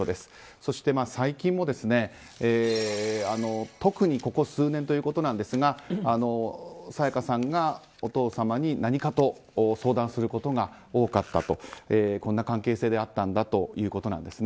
そして最近も、特にここ数年ということなんですが沙也加さんがお父様に何かと相談することが多かったと、こんな関係性だったということです。